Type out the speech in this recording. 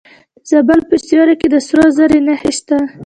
د زابل په سیوري کې د سرو زرو نښې شته.